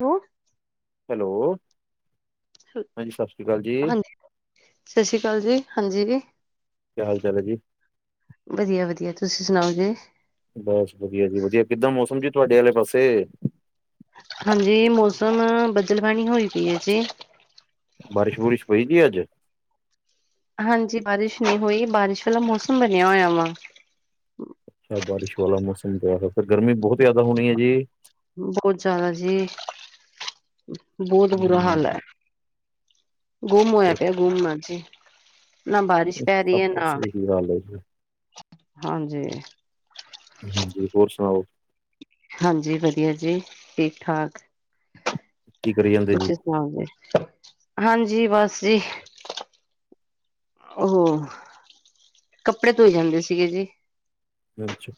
ਬੁਹ। [unintelligible] Hello ਹਾਂਜੀ ਸਤਿ ਸ਼੍ਰੀ ਅਕਾਲ ਜੀ ਹਾਂਜੀ। ਸਤਿ ਸ੍ਰੀ ਅਕਾਲ ਜੀ। ਹਾਂਜੀ ਜੀ। ਕਿਆ ਹਾਲ ਚਾਲ ਹੈ ਜੀ? ਵਧੀਆ -ਵਧੀਆ। ਤੁਸੀਂ ਸੁਣਾਓ ਜੀ। ਬਸ ਵਧੀਆ- ਜੀ ਵਧੀਆ। ਕਿੱਦਾਂ ਮੌਸਮ ਜੀ ਤੁਹਾਡੇ ਆਲੇ ਪਾਸੇ। ਹਾਂਜੀ। ਮੌਸਮ ਬਦਲ ਬਾਣੀ ਹੋਈ ਪਈ ਆ ਜੀ। ਬਾਰਿਸ਼- ਬੁਰਿਸ਼ ਪਈ ਸੀ ਅੱਜ। ਹਾਂਜੀ। ਬਾਰਿਸ਼ ਨਹੀਂ ਹੋਈ। ਬਾਰਿਸ਼ ਆਲਾ ਮੌਸਮ ਬਣਿਆ ਹੋਇਆ ਵਾ। ਅੱਜ ਬਾਰਿਸ਼ ਵਾਲਾ ਮੌਸਮ ਦੁਬਾਰਾ। ਗਰਮੀ ਬਹੁਤ ਜ਼ਿਆਦਾ ਹੋਣੀ ਆ ਜੀ। ਬਹੁਤ ਜ਼ਿਆਦਾ ਜੀ। ਬਹੁਤ ਬੁਰਾ ਹਾਲ ਆ। ਹਮ ਗੁੰਮ ਹੋਇਆ ਪਿਆ ਗੁੰਮ ਅੱਜ ਈ। ਨਾ ਬਾਰਿਸ਼ ਪੈ ਰਹੀ ਸਭ ਐ ਨਾ, ਪਾਸੇ ਇਹੀ ਹਾਲ ਹੈ ਜੀ ਹਾਂਜੀ। ਹੂ ਹਾਂਜੀ ਹੋਰ ਸੁਣਾਓ? ਹਾਂਜੀ ਵਧੀਆ ਜੀ ਠੀਕ-ਠਾਕ। ਕੀ ਕਰੀ ਜਾਂਦੇ ਸੀ? [unintelligible] ਹਾਂ ਹਾਂਜੀ ਬਸ ਜੀ। ਉ ਹੂੰ, ਕੱਪੜੇ ਧੋਈ ਜਾਂਦੇ ਸੀਗੇ ਜੀ। ਮੈਂ ਅੱਛਾ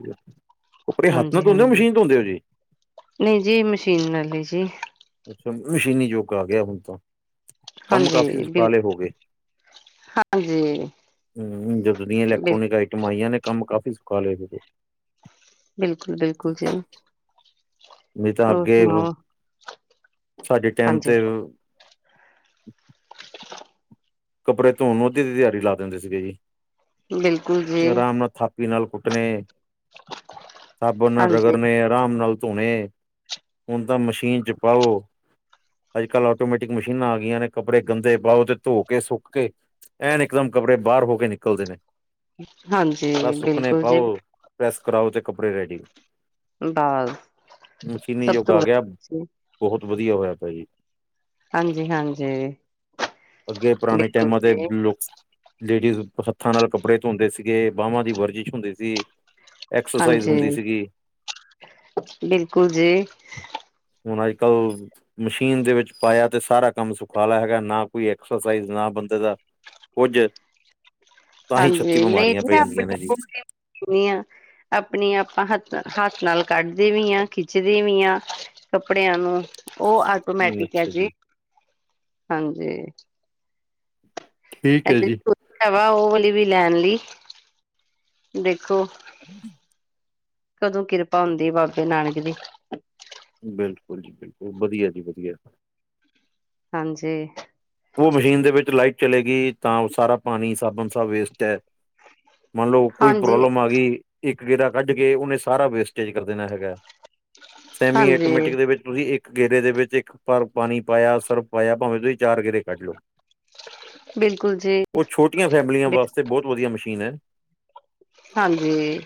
[unintelligible] ਹੱਥ ਨਾਲ ਹਾਂਜੀ ਧੋਂਦੇ ਹੋ ਹਾਂਜੀ ਮਸ਼ੀਨ ਧੋਂਦੇ ਹੋ ਜੀ ਨਈ ਜੀ ਮਸ਼ੀਨ ਨਾਲ ਈ ਜੀ। ਅੱਛਾ ਮਸ਼ੀਨੀ ਯੁਗ ਆ ਗਿਆ ਹੁਣ ਤਾਂ, ਕੰਮ ਕਾਫੀ ਹਾਂਜੀ ਸੁਖਾਲੇ ਬਿਲਕੁਲ ਹੋ ਗਏ। ਹਾਂਜੀ ਹੂੰ ਜਦੋਂ ਦੀ ਬਿਲ ਇਲੈਕਟ੍ਰੋਨਿਕ ਆਈਟਮ ਆਈਆਂ ਨੇ ਕੰਮ ਕਾਫੀ ਸੁਖਾਲੇ ਹੋਗੇ। ਬਿਲਕੁਲ ਬਿਲਕੁਲ ਜੀ। ਨਈ ਤਾਂ ਹੋਰ ਅੱਗੇ ਓ ਸੁਣਾਓ ਸਾਡੇ ਟਾਈਮ ਹਾਂਜੀ ਤੇ ਕੱਬਰੇ ਧੋਣ ਨੂੰ ਅੱਧੀ-ਅੱਧੀ ਦਿਹਾੜੀ ਲਾ ਦਿੰਦੇ ਸੀਗੇ ਜੀ। ਬਿਲਕੁਲ ਜੀ ਅਰਾਮ ਨਾਲ ਥਾਪੀ ਥਾਪੀ ਨਾਲ ਕੁੱਟਣੇ ਸਾਬਣ ਨਾਲ ਰਗੜ ਹਾਂਜੀ ਨੇ ਆਰਾਮ ਨਾਲ ਧੋਣੇ, ਹੁਣ ਤਾਂ ਮਸ਼ੀਨ ਚ ਪਾਓ ਅੱਜ-ਕੱਲ੍ਹ ਆਟੋਮੈਟਿਕ ਮਸ਼ੀਨਾਂ ਆ ਗਈਆਂ ਨੇ ਕੱਪੜੇ ਗੰਦੇ ਪਾਓ ਤੇ ਧੋ ਕੇ ਸੁੱਕ ਕੇ ਐਨ ਇਕਦਮ ਕੱਪੜੇ ਬਾਹਰ ਹੋ ਕੇ ਨਿਕਲਦੇ ਨੇ। ਹਾਂਜੀ ਬਸ ਸੁੱਕਣੇ ਬਿਲਕੁਲ ਜੀ। ਪਾਓ ਪ੍ਰੈਸ ਕਰਾਓ, ਤੇ ਕੱਪੜੇ ਰੈਡੀ। ਬਸ ਮਸ਼ੀਨੀ ਸਭ ਯੁੱਗ ਤੋਂ ਆ ਗਿਆ। ਵ ਬਹੁਤ ਵਧੀਆ ਹੋਇਆ ਪਿਆ ਜੀ। ਹਾਂਜੀ ਹਾਂਜੀ। ਅੱਗੇ ਪੁਰਾਣੇ ਬਿਲਕੁਲ ਟਾਈਮਾਂ ਤੇ ਜੀ ਲੋ ਲੇਡੀਜ਼ ਹੱਥਾਂ ਨਾਲ ਕੱਪੜੇ ਧੋਂਦੇ ਸੀਗੇ। ਬਾਹਵਾਂ ਦੀ ਵਰਜਿਸ਼ ਹੁੰਦੀ ਸੀ। ਐਕਸਰਸਾਈਜ਼ ਹਾਂਜੀ ਹੁੰਦੀ ਸੀਗੀ। ਬਿਲਕੁਲ ਜੀ ਹੁਣ ਅੱਜ-ਕੱਲ ਮਸ਼ੀਨ ਦੇ ਵਿੱਚ ਪਾਇਆ ਤੇ ਸਾਰਾ ਕੰਮ ਸੁਖਾਲਾ ਹੈਗਾ ਨਾ ਕੋਈ ਐਕ ਐਕਸਰਸਾਈਜ਼ ਨਾ ਬੰਦੇ ਦਾ ਕੁੱਝ ਤਾਂ ਹੀ ਛੱਤੀ ਹਾਂਜੀ ਨਈ ਬਿਮਾਰੀਆਂ ਜੀ ਪੈ ਮੈ ਜਾਂਦੀਆਂ ਆਪਣੇ ਨੇ ਆਪ ਜੀ ਕੁਟਕੇ ਧੋਣੀ ਆ। ਆਪਣੀ ਆਪਾਂ ਹੱਥ -ਹੱਥ ਨਾਲ ਕੱਢਦੇ ਵੀ ਆ ਖਿੱਚਦੇ ਵੀ ਆ। ਕੱਪੜਿਆਂ ਨੂੰ, ਉਹ ਆਟੋਮੈਟਿਕ ਐ ਜੀ। ਹਾਂਜੀ ਠੀਕ ਐ ਜੀ। ਹੈਗਾ ਉਹ ਵਾਲੀ ਵੀ ਲੈਣ ਲਈ ਦੇਖੋ। ਕਦੋਂ ਕਿਰਪਾ ਹੁੰਦੀ ਬਾਬੇ ਨਾਨਕ ਦੀ ਬਿਲਕੁਲ ਜੀ ਬਿਲਕੁਲ, ਵਧੀਆ ਜੀ ਵਧੀਆ। ਹਾਂਜੀ। ਉਹ ਮਸ਼ੀਨ ਦੇ ਵਿੱਚ ਲਾਈਟ ਚਲੇ ਗਈ ਤਾਂ ਉਹ ਸਾਰਾ ਪਾਣੀ ਸਾਬਣ ਸਬ ਵੇਸਟ ਐ। ਮੰਨ ਲਓ ਕੋਈ ਹਾਂਜੀ, ਪ੍ਰੋਬਲਮ ਆ ਗਈ। ਇੱਕ ਗੇੜਾ ਕੱਢ ਕੇ ਉਹਨੇ ਸਾਰਾ ਵੇਸਟੇਜ ਕਰ ਦੇਣਾ ਹੈਗਾ। ਸੈਮੀ ਹਾਂਜੀ ਆਟੋਮੈਟਿਕ ਦੇ ਵਿੱਚ ਤੁਸੀਂ ਇੱਕ ਗੇਰੇ ਦੇ ਵਿੱਚ ਇੱਕ ਵਾਰ ਪਾਣੀ ਪਾਇਆ ਸਰਫ ਪਾਇਆ ਭਾਵੇਂ ਤੁਸੀਂ ਚਾਰ ਗੇਰੇ ਕੱਢ ਲਓ। ਬਿਲਕੁਲ ਜੀ ਓ ਛੋਟੀਆਂ ਫੈਮਲੀਆਂ ਵਾਸਤੇ ਬਹੁਤ ਵਧੀਆ ਮਸ਼ੀਨ ਹੈ ਐ। ਹਾਂਜੀ,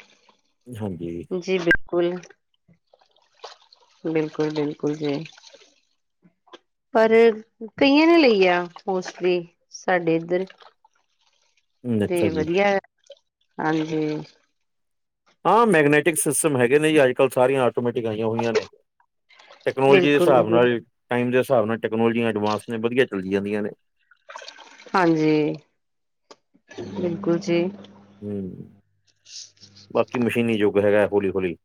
ਹਾਂਜੀ ਜੀ ਬਿਲਕੁਲ। ਬਿਲਕੁਲ-ਬਿਲਕੁਲ ਜੀ। ਪਰ ਕਈਆਂ ਨੇ ਲਈ ਆ ਮੋਸਟਲੀ ਸਾਡੇ ਇੱਧਰ [inaudible] ਤੇ ਜੀ ਵਧੀਆ ਹਾਂਜੀ ਹਾ ਮੈਗਨੇਟਿਕ ਸਿਸਟਮ ਹੈਗੇ ਨੇ ਜੀ ਅੱਜ ਕੱਲ੍ਹ ਸਾਰੀਆਂ ਆਟੋਮੇਟਿਕ ਲਾਈਆ ਹੋਈਆਂ ਨੇ ਟੈਕਨੋਲੋਜੀ ਦੇ ਬਿਲਕੁਲ ਹਿਸਾਬ ਜੀ ਨਾਲ ਟਾਈਮ ਦੇ ਹਿਸਾਬ ਨਾਲ ਟੈਕਨੋਲਜੀਆ ਐਡਵਾਂਸ ਨੇ ਵਧੀਆ ਚੱਲੀ ਜਾਂਦੀਆਂ ਨੇ। ਹਾਂਜੀ ਬਿਲਕੁਲ ਜੀ। ਹਮ ਬਾਕੀ ਮਸ਼ੀਨੀ ਯੁੱਗ ਹੈਗਾ। ਹੌਲੀ- ਹੌਲੀ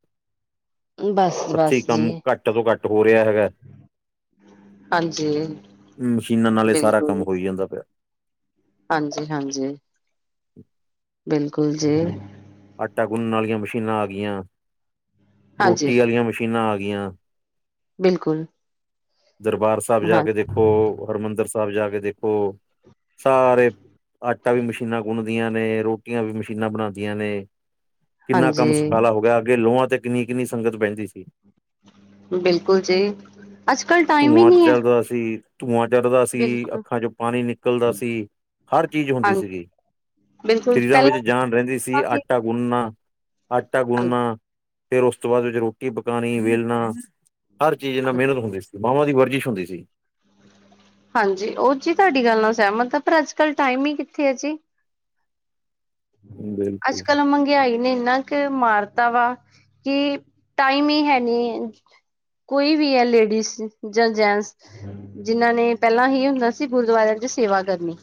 ਬਸ, ਇੱਥੇ ਬਸ ਜੀ ਕੰਮ ਘੱਟ ਤੋਂ ਘੱਟ ਹੋ ਰਿਹਾ ਹੈਗਾ। ਹਾਂਜੀ ਮਸ਼ੀਨਾਂ ਨਾਲ ਇਹ ਸਾਰਾ ਕੰਮ ਬਿਲਕੁਲ ਹੋਈ ਜਾਂਦਾ ਪਿਆ। ਹਾਂਜੀ- ਹਾਂਜੀ। ਬਿਲਕੁਲ ਜੀ। ਆਟਾ ਗੁੰਨਨ ਵਾਲੀਆਂ ਮਸ਼ੀਨਾਂ ਆ ਗਈਆਂ, ਹਾਂਜੀ ਰੋਟੀ ਆਲੀਆਂ ਮਸ਼ੀਨਾਂ ਆ ਗਈਆਂ। ਬਿਲਕੁਲ। ਦਰਬਾਰ ਸਾਹਿਬ ਜਾ ਹਾਂ ਕੇ ਦੇਖੋ, ਹਰਿਮੰਦਰ ਸਾਹਿਬ ਜਾ ਕੇ ਦੇਖੋ। ਸਾਰੇ ਆਟਾ ਵੀ ਮਸ਼ੀਨਾਂ ਗੁੰਨਦੀਆਂ ਨੇ, ਰੋਟੀਆਂ ਵੀ ਮਸ਼ੀਨਾਂ ਬਣਾਉਂਦੀਆਂ ਨੇ। ਕਿੰਨਾ ਕੰਮ ਹਾਂਜੀ ਸਖਾਲਾ ਹੋ ਗਿਆ। ਅੱਗੇ ਲੋਹਾਂ ਤੇ ਕਿੰਨੀ ਕਿੰਨੀ ਸੰਗਤ ਬਹਿੰਦੀ ਸੀ। ਬਿਲਕੁਲ ਜੀ ਅੱਜ ਕੱਲ ਟਾਈਮ ਹੀ ਨਹੀਂ ਹੈ। ਤਾਂ ਅਸੀਂ। ਧੂਆਂ ਚੜਦਾ ਸੀ, ਬਿਲਕੁਲ ਅੱਖਾਂ ਚ ਨਿਕਲਦਾ ਸੀ। ਹਰ ਚੀਜ਼ ਹੁੰਦੀ ਹਾਂਜੀ ਸੀਗੀ। ਬਿਲਕੁਲ ਸਰੀਰਾਂ ਵਿੱਚ ਪਹਿਲਾਂ ਜਾਨ ਰਹਿੰਦੀ ਸੀ। ਆਟਾ ਗੁੰਨਣਾ, ਆਟਾ ਗੁੰਨਣਾ ਫ਼ਿਰ ਉਸ ਤੋਂ ਬਾਅਦ ਵਿੱਚ ਰੋਟੀ ਪਕਾਣੀ ਵੇਲਣਾ ਹਰ ਚੀਜ਼ ਇਨਾ ਮਿਹਨਤ ਹੁੰਦੀ ਸੀ। ਬਾਵਾਂ ਦੀ ਵਰਜਿਸ਼ ਹੁੰਦੀ ਸੀ। ਹਾਂਜੀ ਉਹ ਜੀ ਤੁਹਾਡੀ ਗੱਲ ਨਾਲ ਸਹਿਮਤ ਆ ਪਰ ਅੱਜ ਕੱਲ੍ਹ ਟਾਈਮ ਹੀ ਕਿੱਥੇ ਹੈ ਜੀ। ਅੱਜ ਬਿਲਕੁਲ ਜੀ ਕੱਲ ਮੰ ਮੰਗਿਆਈ ਨੇ ਇੰਨਾ ਕੁ ਮਾਰਤਾ ਵਾ ਕਿ ਟਾਈਮ ਹੀ ਹੈ ਨੀ। ਕੋਈ ਵੀ ਹੈ। ਲੇਡੀਜ਼ ਜਾਂ ਜੈਂਟਸ। ਜਿਨ੍ਹਾਂ ਨੇ ਪਹਿਲਾਂ ਹੀ ਹੁੰਦਾ ਸੀ। ਗੁਰਦੁਆਰਿਆਂ ਚ ਸੇਵਾ ਕਰਨੀ।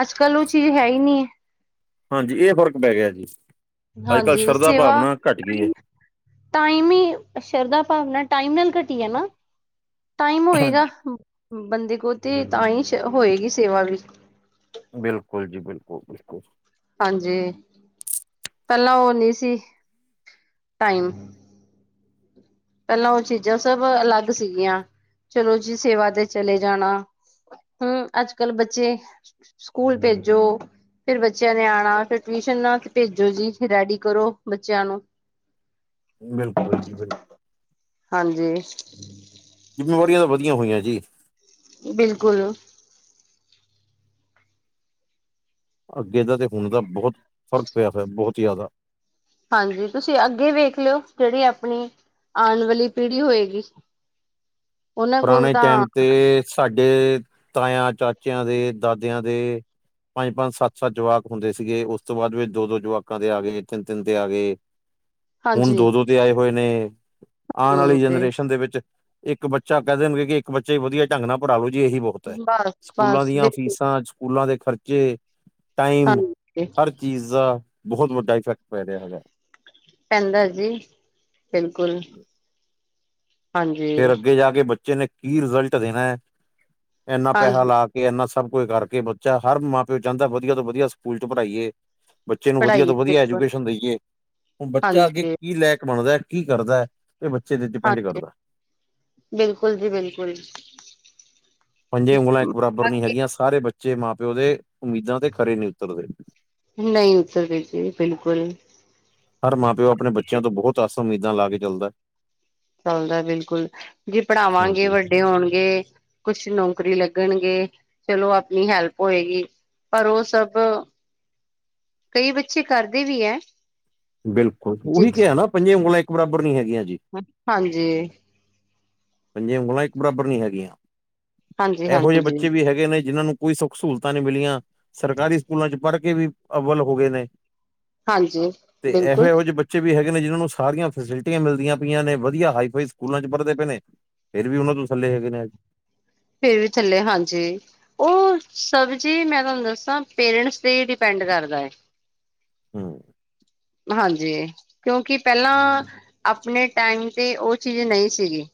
ਅੱਜ ਕੱਲ ਉਹ ਚੀਜ਼ ਹੈ ਹੀ ਨਹੀਂ ਹੈ। ਹਾਂਜੀ ਇਹ ਫ਼ਰਕ ਪੈ ਗਿਆ ਜੀ। ਅੱਜ ਕੱਲ੍ਹ ਹਾਂਜੀ ਸ਼ਰਧਾ ਸੇਵਾ ਭਾਵਨਾ ਘੱਟ ਗਈ ਏ ਟਾਈਮ ਈ ਸ਼ਰਧਾ ਭਾਵਨਾ ਟਾਈਮ ਨਾਲ ਘਟੀ ਹੈ ਨਾ। ਟਾਈਮ ਹੋਏਗਾ। ਹਾਂਜੀ ਬੰਦੇ ਕੋਲ ਤੇ ਤਾਂ ਹੀ ਹੋਏਗੀ ਸੇਵਾ ਵੀ ਬਿਲਕੁਲ ਜੀ ਬਿਲਕੁਲ-ਬਿਲਕੁਲ। ਹਾਂਜੀ ਪਹਿਲਾਂ ਉਹ ਨੀ ਸੀ ਟਾਈਮ। ਪਹਿਲਾਂ ਉਹ ਚੀਜ਼ਾਂ ਸਭ ਅਲੱਗ ਸੀਗੀਆਂ ਚਲੋ ਜੀ ਸੇਵਾ ਤੇ ਚਲੇ ਜਾਣਾ। ਹੂ ਅੱਜ ਕੱਲ੍ਹ ਬੱਚੇ ਸਕੂਲ ਭੇਜੋ। ਫਿਰ ਬੱਚਿਆਂ ਨੇ ਆਉਣਾ ਫਿਰ ਟਿਊਸ਼ਨ ਨਾ ਤੇ ਭੇਜੋ ਜੀ ਫਿਰ ਰੈਡੀ ਕਰੋ ਬੱਚਿਆਂ ਨੂੰ ਬਿਲਕੁਲ ਜੀ ਬਿਲਕੁਲ। ਹਾਂਜੀ। ਜਿੰਮੇਵਾਰੀਆਂ ਤਾਂ ਵਧੀਆ ਹੋਈਆਂ ਜੀ। ਬਿਲਕੁਲ ਅੱਗੇ ਦਾ ਤੇ ਹੁਣ ਤਾਂ ਬਹੁਤ ਫਰਕ ਪਿਆ ਦਾ ਬਹੁਤ ਹੀ ਜਿਆਦਾ ਹਾਂਜੀ, ਤੁਸੀਂ ਅੱਗੇ ਵੇਖ ਲਿਓ ਜਿਹੜੀ ਆਪਣੀ ਆਉਣ ਵਾਲੀ ਪੀੜੀ ਹੋਏਗੀ। [inaudible] ਉਹਨਾਂ ਕੋਲ ਪੁਰਾਣੇ ਤਾਂ ਟੈਮ ਤੇ ਸਾਡੇ ਤਾਇਆਂ ਚਾਚਿਆਂ ਦੇ ਦਾਦਿਆਂ ਦੇ ਪੰਜ-ਪੰਜ ਸੱਤ-ਸੱਤ ਜਵਾਕ ਹੁੰਦੇ ਸੀਗੇ ਉਸ ਤੋਂ ਬਾਦ ਵਿੱਚ ਦੋ-ਦੋ ਜਵਾਕਾਂ ਦੇ ਆ ਗਏ ਤਿੰਨ-ਤਿੰਨ ਦੇ ਆ ਗਏ। [inaudible] ਹੁਣ ਹਾਂਜੀ ਦੋ-ਦੋ ਤੇ ਆਏ ਹੋਏ ਨੇ ਆਣ ਵਾਲੀ ਜ਼ਰੂਰ ਤੇ ਜਨਰੇਸ਼ਨ ਦੇ ਵਿੱਚ ਇੱਕ ਬੱਚਾ ਬੱਚਾ ਕੈ ਦੇਣਗੇ ਕਿ ਇੱਕ ਬੱਚੇ ਵਧੀਆ ਢੰਗ ਨਾਲ ਪੜਾ ਲੋ ਜੀ ਇਹੀ ਬਹੁਤ ਏ ਬਸ ਸਕੂਲਾਂ ਬਸ ਦੀਆਂ ਬਿਲਕੁਲ ਫੀਸਾਂ ਸਕੂਲਾਂ ਦੇ ਖਰਚੇ ਟਾਈਮ ਹਾਂਜੀ ਹਰ ਚੀਜ਼ ਦਾ ਬਹੁਤ ਵੱਡਾ ਇਫੈਕਟ ਪੈ ਰਿਆ ਹੈਗਾ। ਪੈਂਦਾ ਹੈ ਜੀ ਬਿਲਕੁਲ ਹਾਂਜੀ ਫਿਰ ਅੱਗੇ ਜਾ ਕੇ ਬੱਚੇ ਨੇ ਕੀ ਰਿਜ਼ਲਟ ਦੇਣਾ ਇੰਨਾ ਪੈਹਾ ਹਾਂਜੀ ਲਾ ਕੇ ਕਿ ਇੰਨਾ ਸਭ ਕੁਝ ਕਰਕੇ ਬੱਚਾ ਹਰ ਮਾਂ -ਪਿਓ ਚਾਂਦਾ ਵਧੀਆ ਤੋਂ ਵਧੀਆ ਸਕੂਲ 'ਚ ਪੜ੍ਹਾਈਏ। ਬੱਚੇ ਨੂੰ ਵਧੀਆ ਪੜ੍ਹਾਈਏ ਤੋਂ ਵਧੀਆ ਬਿਲਕੁਲ ਐਜੂਕੇਸ਼ਨ ਦੇਈਏ ਹੁਣ ਬੱਚਾ ਅੱਗੇ ਹਾਂਜੀ ਕੀ ਲੈਕ ਬਣਦਾ ਕੀ ਕਰਦਾ। ਏ ਬੱਚੇ ਤੇ ਡਿਪੈਂਡ ਹਾਂਜੀ ਕਰਦਾ। ਬਿਲਕੁਲ ਜੀ ਬਿਲਕੁਲ ਪੰਜੇ ਉਂਗਲਾਂ ਇੱਕ ਬਰਾਬਰ ਨੀ ਹੈਗੀਆਂ ਸਾਰੇ ਬੱਚੇ ਮਾਂ-ਪਿਓ ਦੇ ਉਮੀਦਾਂ ਤੇ ਖਰੇ ਨਈ ਉਤਰਦੇ। ਨਹੀਂ ਉਤਰਦੇ ਜੀ ਬਿਲਕੁਲ ਹਰ ਮਾਂ-ਪਿਓ ਆਪਣੇ ਬੱਚਿਆਂ ਤੋਂ ਬੋਤ ਆਸਾਂ ਉਮੀਦਾਂ ਲਾ ਕੇ ਚੱਲਦਾ। ਚਲਦਾ ਬਿਲਕੁਲ ਜੇ ਪੜ੍ਹਾਵਾਂਗੇ ਹਾਂਜੀ ਵੱ ਡੇ ਹੋਣਗੇ ਕੁਛ ਨੌਕਰੀ ਲੱਗਣਗੇ ਚਲੋ ਆਪਣੀ ਹੈਲਪ ਹੋਏਗੀ। ਪਰ ਓ ਸਭ ਕਈ ਬੱਚੇ ਕਰਦੇ ਵੀ ਐ। ਬਿਲਕੁਲ ਉਹੀ ਕਿਆ ਨਾ ਪੰਜੇ ਉਂਗਲਾਂ ਇੱਕ ਬਰਾਬਰ ਨੀ ਹੈਗੀਆਂ ਜੀ। ਹ ਹਾਂਜੀ। ਪੰਜੇ ਉਗਲਾਂ ਇੱਕ ਬਰਾਬਰ ਨੀ ਹੈਗੀਆਂ ਹਾਂਜੀ ਇਹੋ ਜਿਹੇ ਹਾਂਜੀ ਬੱਚੇ ਹੈਗੇ ਨੇ ਜਿਹਨਾਂ ਨੂੰ ਕੋਈ ਸੁੱਖ ਸਹੂਲਤਾਂ ਨੀ ਮਿਲੀਆਂ ਸਰਕਾਰੀ ਸਕੂਲਾਂ 'ਚ ਪੜ੍ਹ ਕੇ ਵੀ ਅੱਵਲ ਹੋ ਗਏ ਨੇ। ਹਾਂਜੀ ਤੇ ਬਿਲਕੁਲ ਇਹੋ-ਇਹੋ ਜਿਹੇ ਬੱਚੇ ਬੱਚੇ ਵੀ ਹੈਗੇ ਨੇ ਜਿਨਾਂ ਨੂੰ ਸਾਰੀਆਂ ਫੈਸਿਲਿਟੀਆਂ ਮਿਲਦੀਆਂ ਪਈਆਂ ਨੇ ਵਧੀਆ ਹਾਈ-ਫਾਈ ਸਕੂਲਾਂ 'ਚ ਪੜ੍ਹਦੇ ਪਏ ਨੇ। ਫਿਰ ਵੀ ਉਨਾਂ ਤੋਂ ਥੱਲੇ ਹੈਗੇ ਨੇ ਅੱਜ ਫੇਰ ਵੀ ਥੱਲੇ ਹਾਂਜੀ। ਓ ਸਬ ਜੀ ਮੈਂ ਤੁਹਾਨੂੰ ਦੱਸਾਂ ਪੇਰੈਂਟਸ ਤੇ ਈ ਡਿਪੈਂਡ ਕਰਦਾ। ਹੂੰ ਹਾਂਜੀ ਕਿਉਂਕਿ ਪੈਲਾਂ ਆਪਣੇ ਟੈਮ ਤੇ ਓ ਚੀਜ਼ ਨਈ ਸੀਗੀ।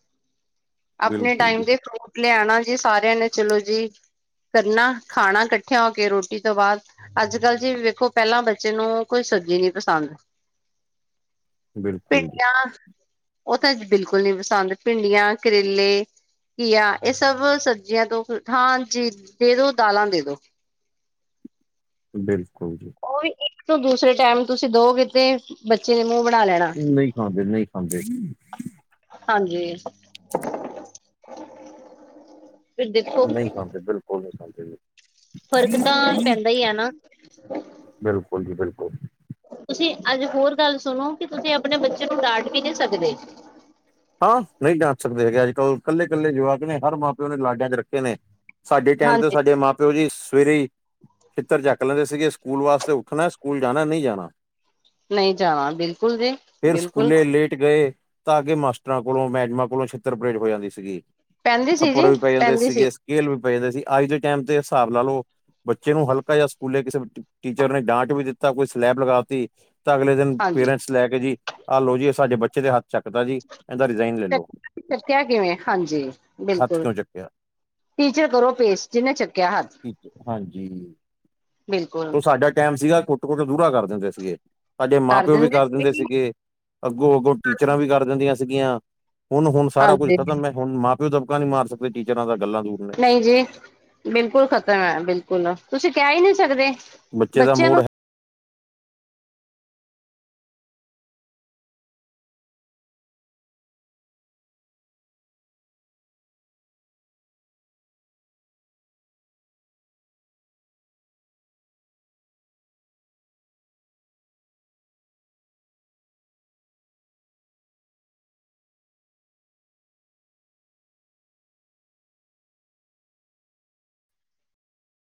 ਆਪਣੇ ਬਿਲਕੁਲ ਟਾਈਮ ਜੀ ਦੇ ਫਰੂਟ ਲਿਆਣਾ ਜੀ ਸਾਰਿਆਂ ਨੇ ਚਲੋ ਜੀ। ਕਰਨਾ ਖਾਣਾ ਕੱਠਿਆਂ ਹੋ ਕੇ ਰੋਟੀ ਤੋਂ ਬਾਦ ਅੱਜ ਕੱਲ੍ਹ ਜੀ ਵੇਖੋ ਪੈਲਾਂ ਬੱਚੇ ਨੂੰ ਕੋਈ ਸਬਜ਼ੀ ਨਈ ਪਸੰਦ [inaudible] ਬਿਲਕੁਲ ਜੀ ਭਿੰਡੀਆਂ ਓ ਤਾਂ ਅੱਜ ਬਿਲਕੁਲ ਨੀ ਪਸੰਦ ਭਿੰਡੀਆਂ ਕਰੇਲੇ ਘੀਆ ਏ ਸਭ ਸਬਜ਼ੀਆਂ ਤੋਂ ਹਾਂਜੀ ਦੇ ਦੋ ਦਾਲਾਂ ਦੇ ਦੋ। ਬਿਲਕੁਲ ਜੀ। ਓ ਵੀ ਇੱਕ ਤੋਂ ਦੂਸਰੇ ਟੈਮ ਤੁਸੀਂ ਦੋ ਕਿ ਤੇ ਬੱਚੇ ਨੇ ਮੂੰਹ ਬਣਾ ਲੈਣਾ ਨਹੀਂ ਖਾਂਦੇ ਨਹੀਂ ਖਾਂਦੇ ਹਾਂਜੀ। ਫਿਰ ਦੇਖੋ। ਹਾਂਜੀ ਬਿਲਕੁਲ ਨੀ ਖਾਂਦੇ ਜੇ। ਫ਼ਰਕ ਤਾਂ ਪੈਂਦਾ ਈ ਐ ਨਾ। ਬਿਲਕੁਲ ਜੀ ਬਿਲਕੁਲ ਤੁਸੀਂ ਅੱਜ ਹੋਰ ਗੱਲ ਸੁਣੋ ਕਿ ਤੁਸੀਂ ਆਪਣੇ ਬੱਚੇ ਨੂੰ ਡਾਂਟ ਵੀ ਨੀ ਸਕਦੇ। ਹਾਂ ਨਹੀਂ ਡਾਂਟ ਸਕਦੇ ਹੈਗੇ ਅੱਜ ਕੱਲ੍ਹ ਕੱਲੇ- ਕੱਲੇ ਜਵਾਕ ਨੇ ਹਰ ਮਾਂ ਪਿਓ ਨੇ ਲਾਡਾਂ ਚ ਰੱਖੇ ਨੇ। ਸਾਡੇ ਟੈਮ ਤੇ ਹਾਂਜੀ ਸਾਡੇ ਮਾਂ ਪਿਓ ਜੀ ਸਵੇਰੇ ਈ। ਛਿੱਤਰ ਚੱਕ ਲੈਂਦੇ ਸੀਗੇ ਸਕੂਲ ਵਾਸਤੇ ਉੱਠਣਾ ਸਕੂਲ ਜਾਣਾ ਨਹੀਂ ਜਾਣਾ। ਨਹੀਂ ਜਾਣਾ ਬਿਲਕੁਲ ਜੀ ਫਿਰ ਬਿਲਕੁਲ। ਸਕੂਲੇ ਲੇਟ ਗਏ ਤਾਂ ਕਿ ਮਾਸਟਰਾਂ ਕੋਲੋਂ ਮੈਡਮਾਂ ਕੋਲੋਂ ਛਿੱਤਰ ਪ੍ਰਰੇਟ ਹੋ ਜਾਂਦੀ ਸੀਗੀ‌। ਪੈਂਦੀ ਸੀ ਥੱਪੜ ਜੀ ਵੀ ਪੈ ਜਾਂਦੇ ਪੈਂਦੀ ਸੀ ਸੀਗੇ ਸਕੇਲ ਵੀ ਪਏ ਦੇ ਸੀ ਅੱਜ ਟੈਮ ਤੇ ਸਾਬ ਲਾ ਲਓ। ਬੱਚੇ ਨੂੰ ਹਲਕਾ ਜਾ ਸਕੂਲੇ ਕਿਸੇ ਟੀਚਰ ਨੇ ਡਾਂਟ ਵੀ ਦਿੱਤਾ ਕੋਈ ਸਲੈਪ ਲਗਾ ਦਿੱਤੀ। ਤਾਂ ਅਗਲੇ ਦਿਨ ਹਾਂਜੀ। ਪੇਰੈਂਟਸ ਲੈ ਕੇ ਜੀ ਆਹ ਲੋ ਜੀ ਇਹ ਸਾਡੇ ਬੱਚੇ ਤੇ ਹੱਥ ਚੱਕਦਾ ਜੀ। ਇਹਦਾ ਰਿਜ਼ਾਇਨ ਲੈ ਲੋ ਚੱਕਿਆ ਕਿਵੇਂ ਹਾਂਜੀ ਹੱਥ ਬਿਲਕੁਲ। ਕਿਉਂ ਚੱਕਿਆ ਟੀਚਰ ਕਰੋ ਪੇਸ਼ ਜਿਨੇ ਚੱਕਿਆ ਹੱਥ। ਹਾਂਜੀ ਬਿਲਕੁਲ ਉਹ ਸਾਡਾ ਟੈਮ ਸੀਗਾ ਕੋ। ਕੁੱਟ- ਕੁੱਟ ਦੂਰਾ ਕਰ ਦਿੰਦੇ ਸੀਗੇ ਸਾਡੇ ਮਾਂ ਪਿਓ ਵੀ ਕਰ ਦਿੰਦੇ ਸੀਗੇ ਅੱਗੋਂ -ਅੱਗੋਂ ਟੀਚਰਾਂ ਵੀ ਕਰ। ਦਿੰਦੀਆ ਸੀਗੀਆਂ ਹੁਣ- ਹੁਣ ਸਾਰਾ ਕੁੱਝ ਹਾਂਜੀ ਖਤਮ ਹੁਣ ਮਾਂ ਪਿਓ ਦਬਕਾ ਨੀ ਮਾਰ ਸਕਦੇ ਟੀਚਰਾਂ ਦਾ ਗੱਲਾਂ ਦੂਰ ਨੇ। ਨਹੀਂ ਜੀ ਬਿਲਕੁਲ ਖ਼ਤਮ ਐ ਬਿਲਕੁਲ ਤੁਸੀਂ ਕਹਿ ਈ ਨੀ ਸਕਦੇ। ਬੱਚੇ ਦਾ ਬੱਚਿਆਂ ਨੂੰ ਮੂਡ ਹੈ।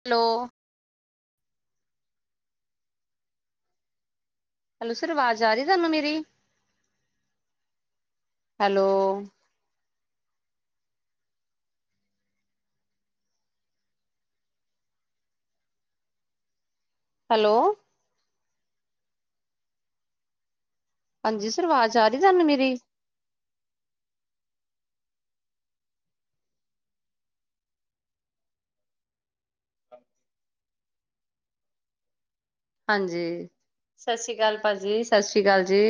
ਹੈਲੋ। ਹੈਲੋ, ਸਰ ਵਾਜ਼ ਆ ਰਹੀ ਤਾਨੂੰ ਮੇਰੀ ਹੈਲੋ। ਹੈਲੋ। ਹਾਂਜੀ ਸਰ ਵਾਜ਼ ਆ ਰਹੀ ਤਾਨੂੰ ਮੇਰੀ। ਹਾਂਜੀ ਸਸੀਕਾਲ ਭਾਜੀ ਸਸੀ ਕਾਲ ਜੀ।